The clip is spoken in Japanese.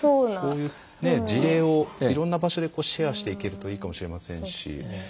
こうした事例をいろんな場所でシェアしていけるといいかもしれませんし。